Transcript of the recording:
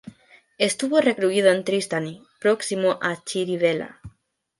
Estuvo recluido en Tristany, próximo a Chirivella.